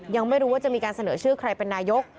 ยังไม่รู้ว่าจะมีการเสนอชื่อใครเป็นนายก